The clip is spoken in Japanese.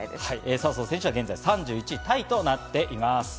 笹生選手は現在３１位タイとなっています。